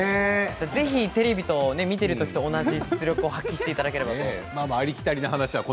ぜひ家でテレビを見ているときと同じ実力を発揮していただければ。